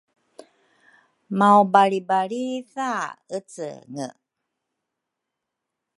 maubalribalritha ecenge.